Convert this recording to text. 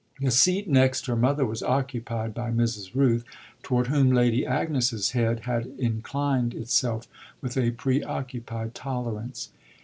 The seat next her mother was occupied by Mrs. Rooth, toward whom Lady Agnes's head had inclined itself with a preoccupied tolerance.